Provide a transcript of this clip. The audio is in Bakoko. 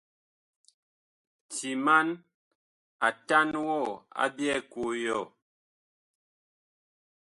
Timan atan wɔ a byɛɛ koo yɔɔ.